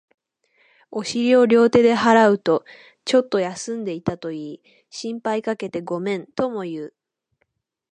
お尻を両手で払うと、ちょっと休んでいたと言い、心配かけてごめんとも言う